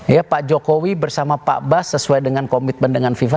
ya pak jokowi bersama pak bas sesuai dengan komitmen dengan fifa